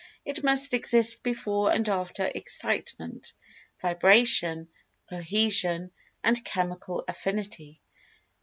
It must exist before and after "Excitement; Vibration; Cohesion; and Chemical Affinity."